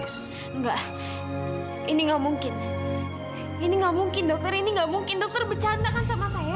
ini gak mungkin dokter ini gak mungkin dokter bercanda kan sama saya